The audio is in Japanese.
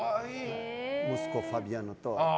息子ファビアノと。